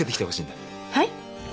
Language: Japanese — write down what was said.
はい？